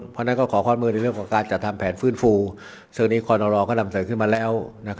เพราะฉะนั้นก็ขอข้อมือในเรื่องของการจัดทำแผนฟื้นฟูซึ่งนี้คอนรอก็นำเสนอขึ้นมาแล้ว